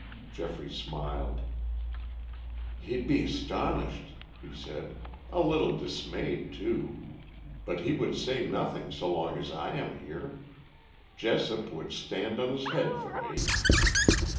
Geoffrey smiled. "He'd be astonished," he said, "a little dismayed, too. But he would say nothing so long as I am here. Jessop would stand on his head for me."